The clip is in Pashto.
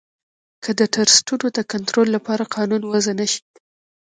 که د ټرسټونو د کنترول لپاره قانون وضعه نه شي